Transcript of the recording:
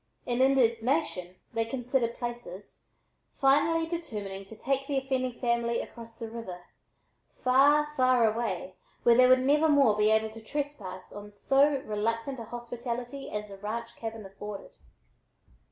In indignation they considered places, finally determining to take the offending family across the river, far, far, away where they would never more be able to trespass on so reluctant a hospitality as the ranch cabin afforded.